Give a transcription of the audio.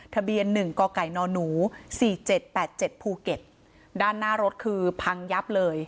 ทะเบียนหนึ่งกกน๔๗๘๗ภูเก็ตด้านหน้ารถคือพังยับเลย